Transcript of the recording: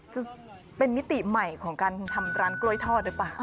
จะเป็นมิติใหม่ของการทำร้านกล้วยทอดหรือเปล่า